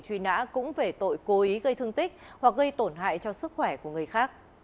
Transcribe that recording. truy nã cũng về tội cố ý gây thương tích hoặc gây tổn hại cho sức khỏe của người khác